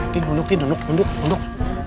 tin unduk tin unduk unduk unduk